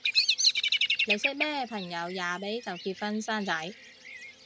你識咩朋友廿尾就結婚生仔？